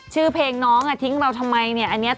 ชื่อเพลงน้องอ่ะทิ้งเราทำไมเนี่ย